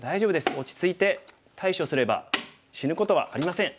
落ち着いて対処すれば死ぬことはありません。